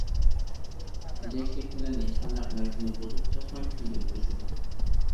تېجەشلىك بىلەن ھېچقانداق نەرسىنى بۇزۇپ چاچماي كۈن ئۆتكۈزىدۇ.